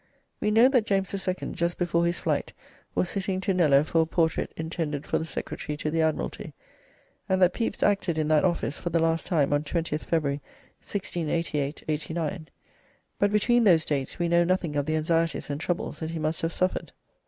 We know that James II. just before his flight was sitting to Kneller for a portrait intended for the Secretary to the Admiralty, and that Pepys acted in that office for the last time on 20th February, 1688 89, but between those dates we know nothing of the anxieties and troubles that he must have suffered.